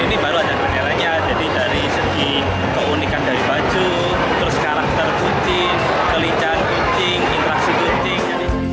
ini baru ada bendelanya jadi dari segi keunikan dari baju terus karakter kucing kelincahan kucing interaksi kucing